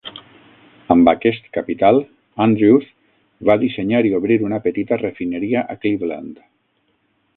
Amb aquest capital, Andrews va dissenyar i obrir una petita refineria a Cleveland.